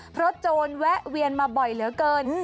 เพราะโจรแวะเวียนมาบ่อยเหลือเกิน